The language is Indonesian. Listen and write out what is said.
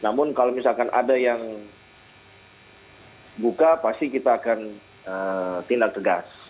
namun kalau misalkan ada yang buka pasti kita akan tindak tegas